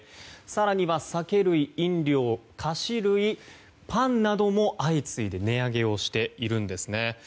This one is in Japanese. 更には酒類、飲料、菓子類パンなども相次いで値上げをしているんですね。